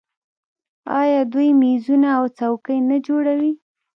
آیا دوی میزونه او څوکۍ نه جوړوي؟